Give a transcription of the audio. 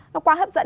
nó quá hấp dẫn